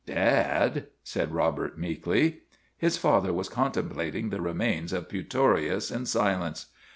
" Dad !" said Robert meekly. His father was contemplating the remains of Pu torius in silence.